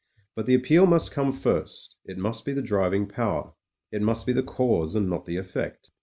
But the appeal must come first: it must be the driving power; it must be the cause and not the effect.